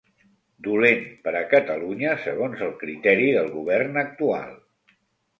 Dolent per a Catalunya, segons el criteri del Govern actual.